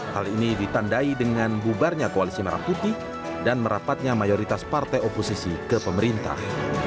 hal ini ditandai dengan bubarnya koalisi merah putih dan merapatnya mayoritas partai oposisi ke pemerintah